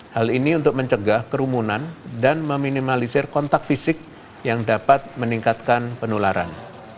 hal ini untuk mencegah kerumunan dan meminimalisir kontak fisik yang dapat meningkatkan penularan